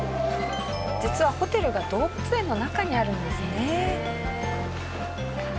実はホテルが動物園の中にあるんですね。